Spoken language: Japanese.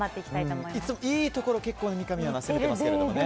いつもいいところを攻めてますけどね。